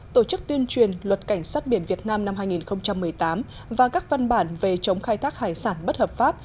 tổ chức tuyên truyền luật cảnh sát biển việt nam năm hai nghìn một mươi tám và các văn bản về chống khai thác hải sản bất hợp pháp